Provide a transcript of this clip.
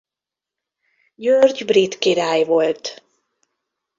György brit király volt.